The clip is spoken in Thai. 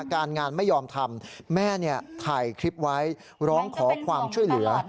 การงานไม่ยอมทำแม่ถ่ายคลิปไว้ร้องขอความช่วยเหลือ